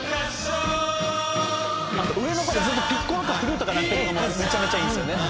「あと上の方でずっとピッコロかフルートが鳴ってるのもめちゃめちゃいいですよね」